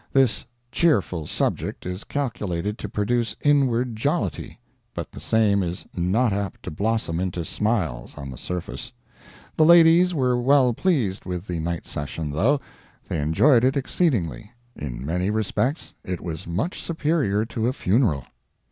This cheerful subject is calculated to produce inward jollity, but the same is not apt to blossom into smiles on the surface. The ladies were well pleased with the night session, though—they enjoyed it exceedingly—in many respects it was much superior to a funeral.